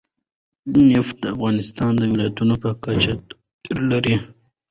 نفت د افغانستان د ولایاتو په کچه توپیر لري.